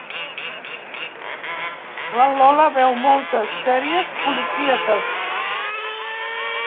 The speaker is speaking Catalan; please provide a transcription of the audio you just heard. La Lola veu moltes sèries policíaques.